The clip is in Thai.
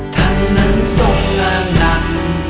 ท่านนั้นส่งงานนั้น